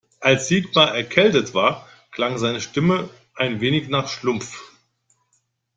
Als Sigmar erkältet war, klang seine Stimme ein wenig nach Schlumpf.